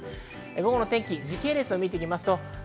午後の天気、時系列を見ていきます。